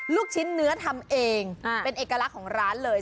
ลูกชิ้นเนื้อทำเองเป็นเอกลักษณ์ของร้านเลย